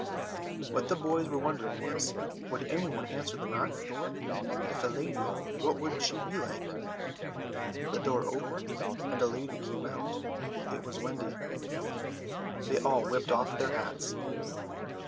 What the boys were wondering was, would any one answer the knock? If a lady, what would she be like? The door opened and a lady came out. It was Wendy. They all whipped off their hats.